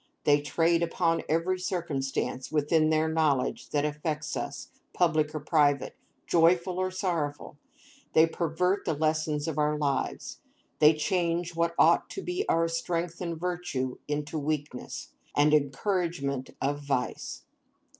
They trade upon every circumstance within their knowledge that affects us, public or private, joyful or sorrowful; they pervert the lessons of our lives; they change what ought to be our strength and virtue into weakness, and encouragement of vice.